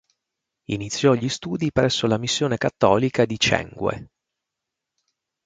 Iniziò gli studi presso la missione cattolica di Chiengue.